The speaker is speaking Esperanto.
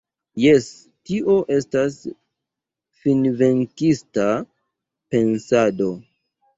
Jes, tio estas finvenkista pensado.